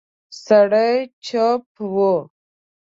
سړی چوپ و.